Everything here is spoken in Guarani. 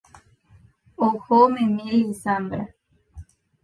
Ohomeme Lizandra